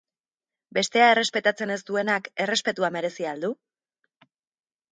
Bestea errespetatzen ez duenak errespetua merezi al du?